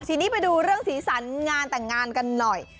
ทีนี้ไปดูเรื่องสีสันงานแต่งงานกันหน่อย